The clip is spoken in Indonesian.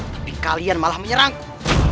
tapi kalian malah menyerangku